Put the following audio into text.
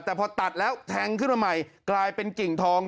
แต่พอตัดแล้วแทงขึ้นมาใหม่กลายเป็นกิ่งทอง